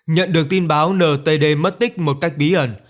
nhận được tin báo ntd mất tích một cách bí ẩn